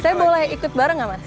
saya boleh ikut bareng gak mas